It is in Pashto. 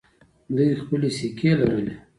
دوی هم خپلې سکې لرلې